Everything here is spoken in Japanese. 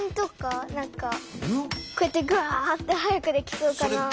こうやってガーッてはやくできそうかなって。